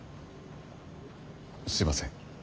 すいません。